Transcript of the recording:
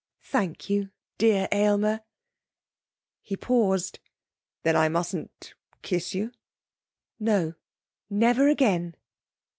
'Thank you, dear Aylmer.' He paused. 'Then I mustn't kiss you?' 'No. Never again.'